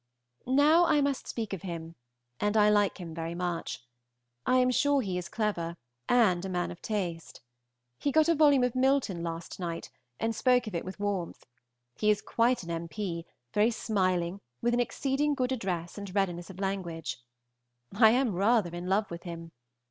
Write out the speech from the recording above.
Now I must speak of him, and I like him very much. I am sure he is clever, and a man of taste. He got a volume of Milton last night, and spoke of it with warmth. He is quite an M. P., very smiling, with an exceeding good address and readiness of language. I am rather in love with him.